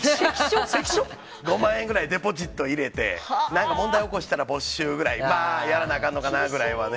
５万円ぐらいデポジット入れて、なんか問題起こしたら没収ぐらいなやらなあかんのかなみたいなね。